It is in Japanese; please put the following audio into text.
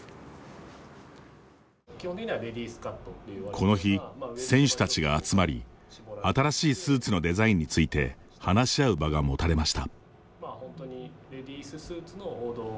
この日、選手たちが集まり新しいスーツのデザインについて話し合う場が持たれました。